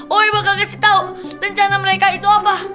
woy bakal kasih tau rencana mereka itu apa